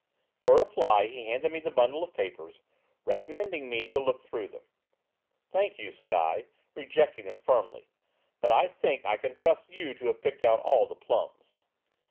For reply, he handed me the bundle of papers, recommending me to look through them. "Thank you," said I, rejecting them firmly, "but I think I can trust you to have picked out all the plums."